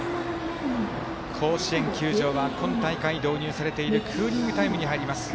甲子園球場が今大会導入されているクーリングタイムに入ります。